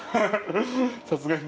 さすがに。